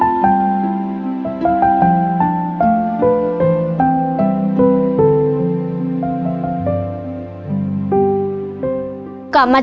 กลับมาจากโรงเรียน